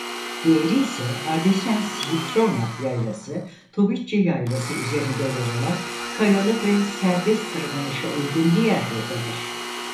Diğeri ise Ardeşen-Siprona Yaylası-Tubucci Yaylası üzerinde yer alan kayalı ve serbest tırmanışa uygun diğer rotadır.